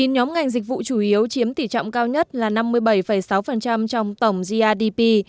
chín nhóm ngành dịch vụ chủ yếu chiếm tỷ trọng cao nhất là năm mươi bảy sáu trong tổng grdp